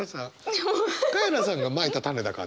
カエラさんがまいた種だからねこれ。